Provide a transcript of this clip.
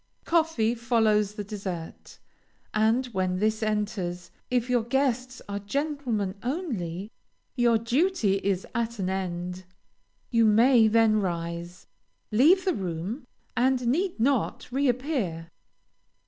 Coffee follows the dessert, and when this enters, if your guests are gentlemen only, your duty is at an end. You may then rise, leave the room, and need not re appear.